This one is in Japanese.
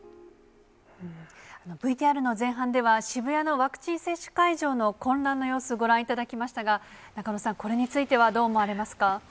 ＶＴＲの前半では、渋谷のワクチン接種会場の混乱の様子、ご覧いただきましたが、中野さん、これについてはどう思われますか。